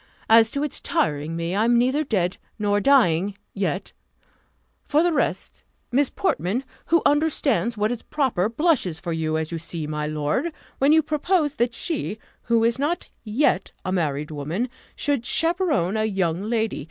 As to its tiring me, I am neither dead, nor dying, yet; for the rest, Miss Portman, who understands what is proper, blushes for you, as you see, my lord, when you propose that she, who is not yet a married woman, should chaperon a young lady.